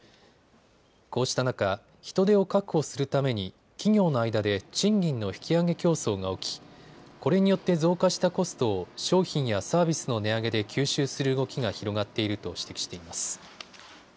こうした中、人手を確保するために企業の間で賃金の引き上げ競争が起きこれによって増加したコストを商品やサービスの値上げで吸収する動きが広がっていると指摘しています。